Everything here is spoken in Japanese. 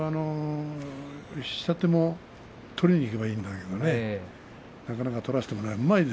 下手も取りにいけばいいんだけどねなかなか取らせてもらえない。